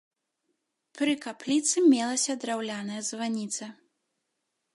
Пры капліцы мелася драўляная званіца.